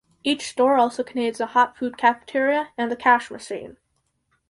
Each store also contains a hot-food cafeteria, and a cash machine.